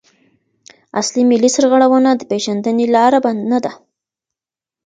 اصل ملي سرغړونه د پیژندني لاره نده.